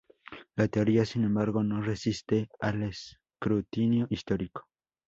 La teoría, sin embargo, no resiste al escrutinio histórico.